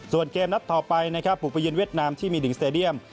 ส่วนเกมนัดต่อไปนะครับบุกไปเย็นเวียดนามที่มีดิ่งสเตดียม